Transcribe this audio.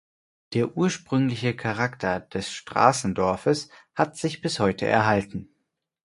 Der ursprüngliche Charakter des Straßendorfes hat sich bis heute erhalten.